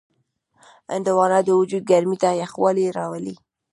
هندوانه د وجود ګرمۍ ته یخوالی راولي.